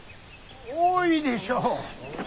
多いでしょ。